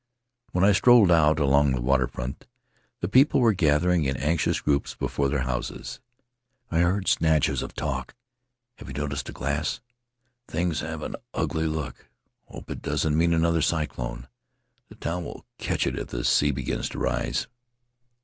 When I strolled out along the waterfront the people were gathering in anxious groups before their houses; I heard snatches of talk: "Have you noticed the glass? Things have an ugly look. ... Hope it doesn't mean another cyclone. ... The town will catch it if the sea begins to rise."